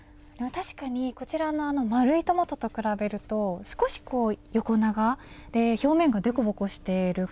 確かにこちらの丸いトマトと比べると少し横長で表面が凸凹している。